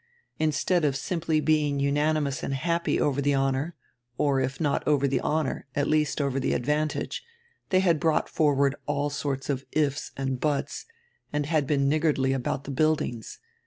Instead of simply being unanimous and happy over the honor, or if not over the honor, at least over tire advantage, they had brought forward all sorts of 'ifs' and 'buts,' and had been niggardly about the buildings.